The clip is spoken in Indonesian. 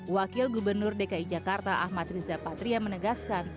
wakil gubernur dki jakarta ahmad riza patria menegaskan